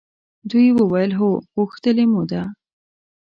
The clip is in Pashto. دوی وویل هو! غوښتلې مو ده.